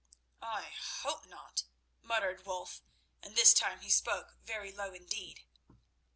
"I hope not," muttered Wulf, and this time he spoke very low indeed.